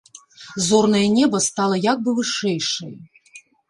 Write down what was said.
Зорнае неба стала як бы вышэйшае.